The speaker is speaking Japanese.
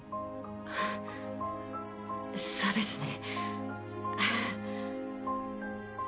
あそうですね。